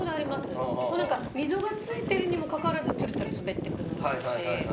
もうなんか溝がついてるにもかかわらずつるつる滑っていくのもあるし。